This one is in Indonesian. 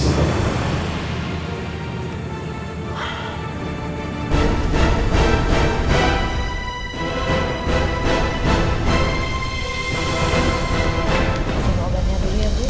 nolaknya dulu ya bu